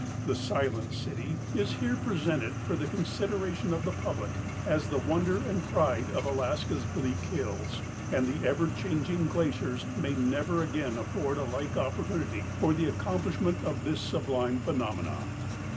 The silent city is here presented for the consideration of the public as the wonder and pride of Alaska's bleak hills, and the ever changing glaciers may never again afford a like opportunity for the accomplish ment of this sublime phenomenon."